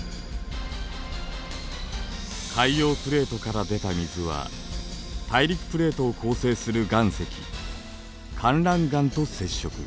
海洋プレートから出た水は大陸プレートを構成する岩石かんらん岩と接触。